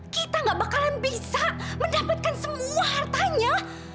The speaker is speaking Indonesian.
kita gak bakalan bisa mendapatkan semua hartanya